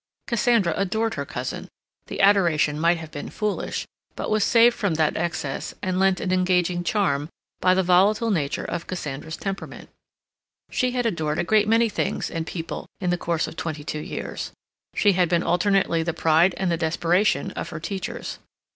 Cassandra adored her cousin; the adoration might have been foolish, but was saved from that excess and lent an engaging charm by the volatile nature of Cassandra's temperament. She had adored a great many things and people in the course of twenty two years; she had been alternately the pride and the desperation of her teachers.